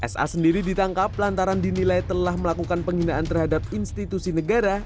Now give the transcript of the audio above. sa sendiri ditangkap lantaran dinilai telah melakukan penghinaan terhadap institusi negara